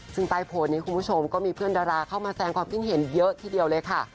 ซึ่งปลายผลในคุณผู้ชมก็มีเพื่อนดราเข้ามาแสงความกิ้นเห็นเยอะที่เดียวเลยค่ะ